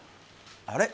あれ？